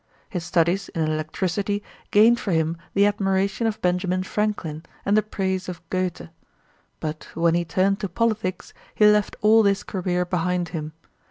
His studies in electricity gained for him the admiration of Benjamin Franklin and the praise of Goethe. But when he turned to politics he left all this career behind him.